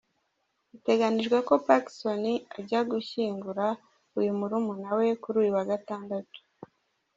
Biteganijwe ko Pacson ajya gushyingura uyu murumuna we kuri uyu wa Gatandatu.